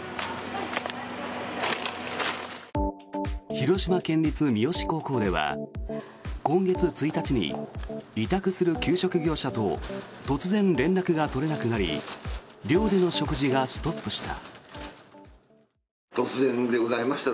広島県立三次高校では今月１日に委託する給食業者と突然連絡が取れなくなり寮での食事がストップした。